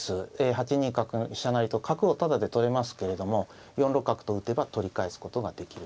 ８二飛車成と角をタダで取れますけれども４六角と打てば取り返すことができると。